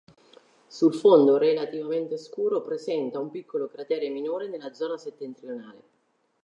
Sul fondo, relativamente scuro, presenta un piccolo cratere minore nella zona settentrionale.